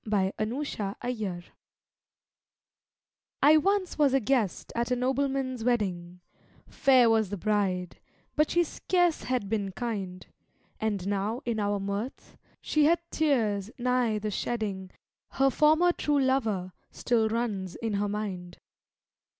THE NOBLEMAN'S WEDDING I once was a guest at a Nobleman's wedding; Fair was the Bride, but she scarce had been kind, And now in our mirth, she had tears nigh the shedding Her former true lover still runs in her mind.